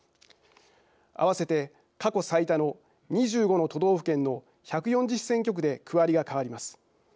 合わせて過去最多の２５の都道府県の１４０選挙区で区割りが変わります。